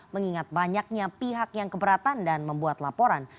mengingat banyaknya pihak yang keberatan dan membuat laporan